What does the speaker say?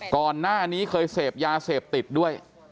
ก่อนหน้านี้เคยเสพยาเสพติดด้วย